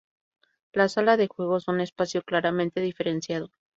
La sala de juego es un espacio claramente diferenciado.